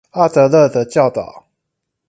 阿德勒的教導